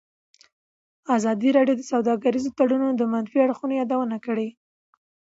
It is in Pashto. ازادي راډیو د سوداګریز تړونونه د منفي اړخونو یادونه کړې.